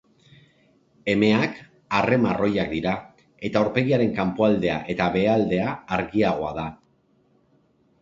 Emeak arre-marroiak dira eta aurpegiaren kanpoaldea eta behealdea argiagoa da.